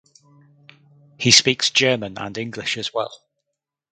He speaks German and English as well.